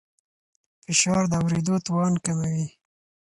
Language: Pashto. فشار د اورېدو توان کموي.